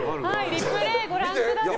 リプレイをご覧ください。